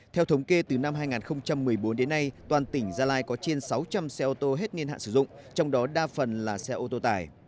theo thống kê từ năm hai nghìn một mươi bốn đến nay toàn tỉnh gia lai có trên sáu trăm linh xe ô tô hết niên hạn sử dụng trong đó đa phần là xe ô tô tải